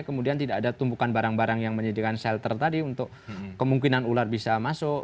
kemudian tidak ada tumpukan barang barang yang menyediakan shelter tadi untuk kemungkinan ular bisa masuk